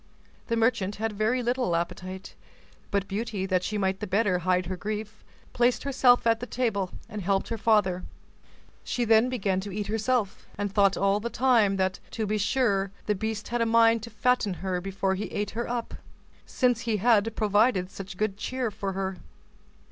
The merchant had very little appetite; but Beauty, that she might the better hide her grief, placed herself at the table, and helped her father; she then began to eat herself, and thought all the time that, to be sure, the beast had a mind to fatten her before he ate her up, since he had provided such good cheer for her.